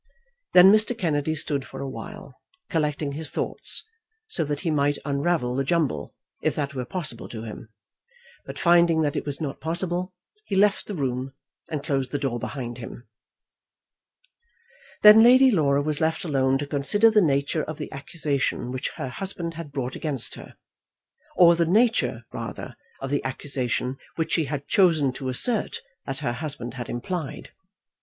Then Mr. Kennedy stood for awhile, collecting his thoughts, so that he might unravel the jumble, if that were possible to him; but finding that it was not possible, he left the room, and closed the door behind him. Then Lady Laura was left alone to consider the nature of the accusation which her husband had brought against her; or the nature rather of the accusation which she had chosen to assert that her husband had implied.